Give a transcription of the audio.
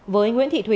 với nguyễn thị thủy